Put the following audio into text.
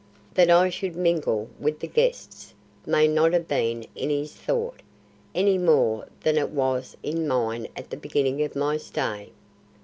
That I should mingle with the guests may not have been in his thought, any more than it was in mine at the beginning of my stay.